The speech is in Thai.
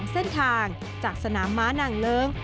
เส้นทางจากสนามม้านางเลิ้ง